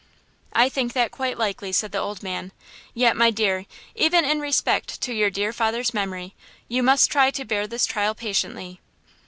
"I think that quite likely," said the old man; "yet, my dear, even in respect to your dear father's memory, you must try to bear this trial patiently."